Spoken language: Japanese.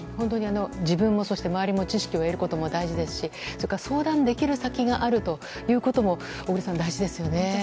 自分も周りも知識を得ることも大事ですし相談できる先があるということも小栗さん、大事ですよね。